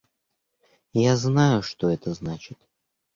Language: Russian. Я знаю, что это значит.